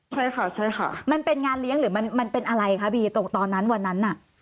ใช่ค่ะใช่ค่ะมันเป็นงานเลี้ยงหรือมันเป็นอะไรคะบีตรงตอนนั้นวันนั้นน่ะ